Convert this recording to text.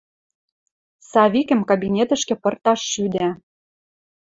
Савикӹм кабинетӹшкӹ пырташ шӱдӓ.